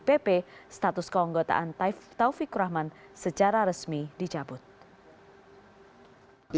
dpp status keonggotaan taufikur rahman secara resmi dicabut